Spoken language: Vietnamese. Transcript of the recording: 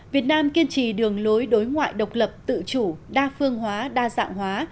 việt nam kiên trì đường lối đối ngoại độc lập tự chủ đa phương hóa đa dạng hóa